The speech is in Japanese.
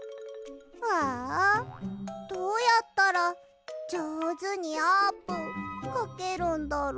ああどうやったらじょうずにあーぷんかけるんだろ。